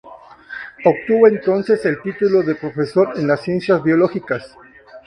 Obtuvo entonces el el título de profesor en las ciencias biológicas.